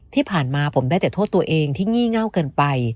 ที่ผ่านมาผมได้แต่โทษตัวเองที่งี่เง่าเกินไป